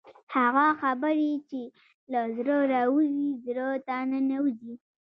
هغه خبرې چې له زړه راوځي زړه ته ننوځي.